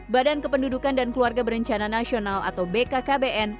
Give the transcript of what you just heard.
badan kependudukan dan keluarga berencana nasional atau bkkbn